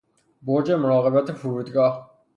برج مراقبت فرودگاه